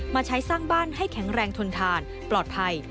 มาใช้สร้างบ้านให้แข็งแรงทนทานปลอดภัย